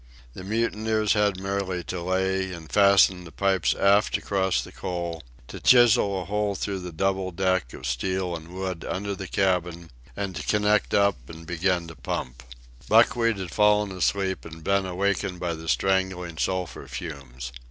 The mutineers had merely to lay and fasten the pipes aft across the coal, to chisel a hole through the double deck of steel and wood under the cabin, and to connect up and begin to pump. Buckwheat had fallen asleep and been awakened by the strangling sulphur fumes.